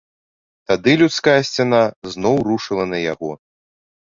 Тады людская сцяна зноў рушыла на яго.